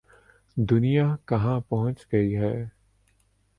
دنیا کہاں پہنچ گئی ہے۔